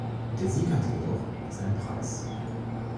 Der Sieg hatte jedoch seinen Preis.